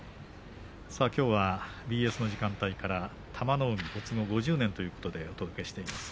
きょうはＢＳの時間帯から玉の海、没後５０年ということでお伝えしています。